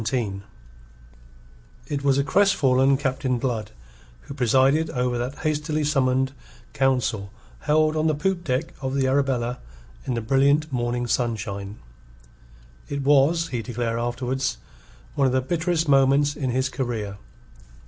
THE DUPES It was a crestfallen Captain Blood who presided over that hastily summoned council held on the poop deck of the Arabella in the brilliant morning sunshine. It was, he declared afterwards, one of the bitterest moments in his career.